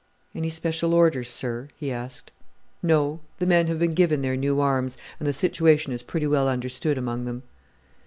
"Any special orders, sir?" he asked. "No. The men have been given their new arms, and the situation is pretty well understood among them."